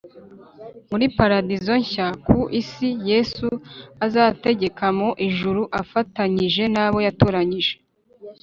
muri paradizo nshya ku isi Yesu azategekera mu ijuru afatanyije nabo yatoranyije